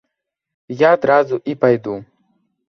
Я адразу і пайду.